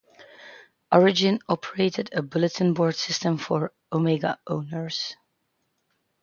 Origin operated a bulletin board system for "Omega" owners.